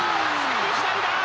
左だ！